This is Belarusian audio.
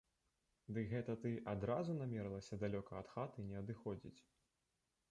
Дык гэта ты адразу намерылася далёка ад хаты не адыходзіць?